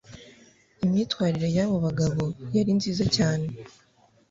Imyitwarire yabo bagabo yari nziza cyane